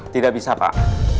tidak bisa pak